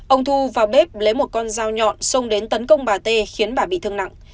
ông thu vào bếp lấy một con dao nhọn xông đến tấn công bà tê khiến bà bị thương nặng